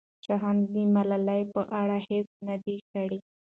شاهانو د ملالۍ په اړه هېڅ نه دي کړي.